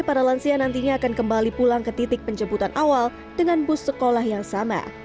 para lansia nantinya akan kembali pulang ke titik penjemputan awal dengan bus sekolah yang sama